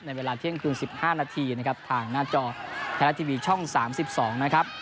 เวลาเที่ยงคืน๑๕นาทีนะครับทางหน้าจอไทยรัฐทีวีช่อง๓๒นะครับ